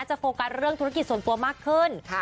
โฟกัสเรื่องธุรกิจส่วนตัวมากขึ้น